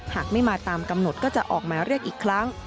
หากไม่มาตามกำหนดก็จะออกหมายเรียกอีกครั้ง